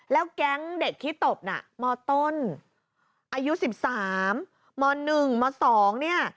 แล้วแก๊งเด็กที่ตบน่ะมต้นอายุสิบสามมหนึ่งมสองเนี่ย